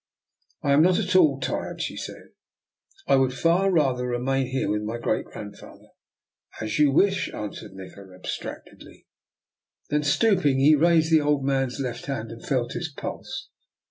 " I am not at all tired," she said, " and if you don't mind, I would far rather remain here with my great grandfather." " As you wish," answered Nikola abstract edly. Then, stooping, he raised the old man's left hand and felt his pulse.